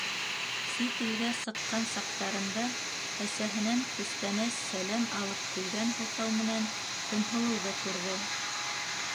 Сит илгә сыҡҡан саҡтарында, әсәһенән күстәнәс, сәләм алып килгән һылтау менән, Көнһылыуҙы күрҙе.